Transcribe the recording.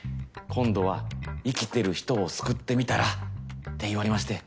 今度は生きてる人を救ってみたら？って言われまして。